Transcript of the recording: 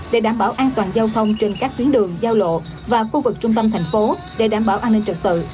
để đảm bảo an toàn giao thông trên các tuyến đường giao lộ và khu vực trung tâm thành phố để đảm bảo an ninh trật tự